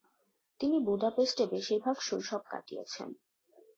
তিনি বুদাপেস্টে বেশির ভাগ শৈশব কাটিয়েছেন।